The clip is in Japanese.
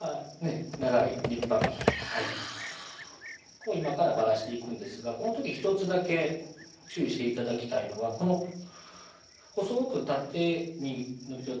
長い立派ないや今からばらしていくんですがこの時１つだけ注意して頂きたいのがこの細く縦に伸びてる